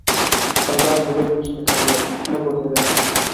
همدا خبره مې درته کوله نه پوهېدم.